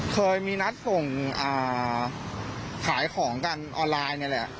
เคยมีนัดส่งขายของกันออนไลน์นี่แหละ